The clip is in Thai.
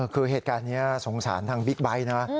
คือเหตุการณ์นี้สงสารทางบิ๊กไบท์นะ